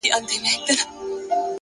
• لښکر د سورلنډیو به تر ګوره پوري تښتي,